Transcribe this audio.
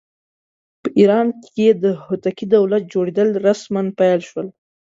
په ایران کې د هوتکي دولت جوړېدل رسماً پیل شول.